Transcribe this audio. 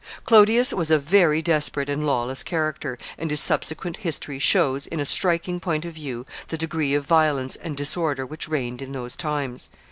] Clodius was a very desperate and lawless character, and his subsequent history shows, in a striking point of view, the degree of violence and disorder which reigned in those times.